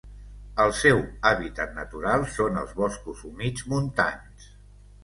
El seu hàbitat natural són els boscos humits montans.